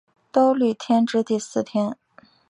兜率天之第四天。